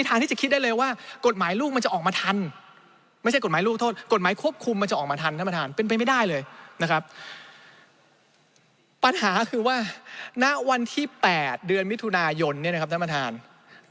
ท่านประธานครับสรุปแล้วเนี่ยนะครับ